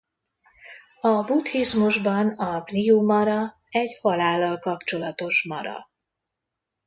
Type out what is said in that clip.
A buddhizmusban a Mrtyu-mara egy halállal kapcsolatos Mara.